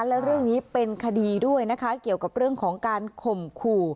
และเรื่องนี้เป็นคดีด้วยนะคะ